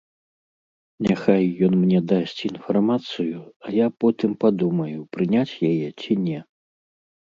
Няхай ён мне дасць інфармацыю, а я потым падумаю, прыняць яе ці не.